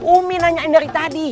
umi nanyain dari tadi